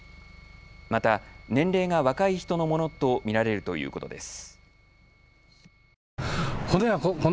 また年齢が若い人のものと見られるということです。